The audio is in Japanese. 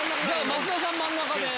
増田さん真ん中で。